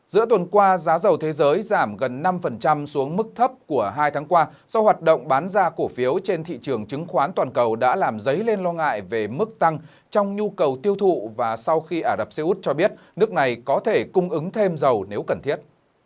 giữa tuần qua giá dầu thế giới giảm gần năm xuống mức thấp của hai tháng qua do hoạt động bán ra cổ phiếu trên thị trường chứng khoán toàn cầu đã làm dấy lên lo ngại về mức tăng trong nhu cầu tiêu thụ và sau khi ả rập xê út cho biết nước này có thể cung ứng thêm dầu nếu cần thiết